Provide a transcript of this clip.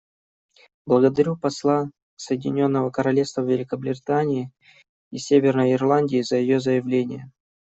Благодарю посла Соединенного Королевства Великобритании и Северной Ирландии за ее заявление.